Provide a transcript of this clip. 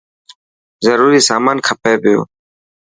ضروري سامان کپي پيو.